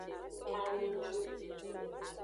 Ami jun.